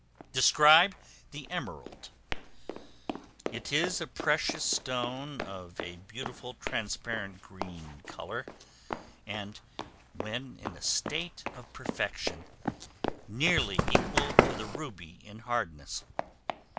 Describe the Emerald. It is a precious stone of a beautiful transparent green color, and, when in a state of perfection, nearly equal to the ruby in hardness.